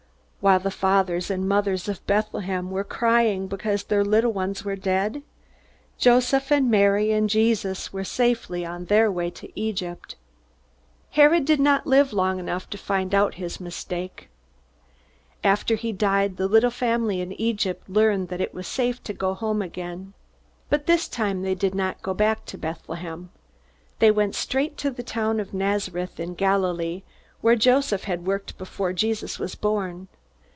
While the fathers and mothers of Bethlehem were crying because their little ones were dead, Joseph and Mary and Jesus were safely on their way to Egypt. Herod did not live long enough to find out his mistake. After he died, the little family in Egypt learned that it was safe to go home again. But this time they did not go back to Bethlehem. They went straight to the town of Nazareth in Galilee, where Joseph had worked before Jesus was born.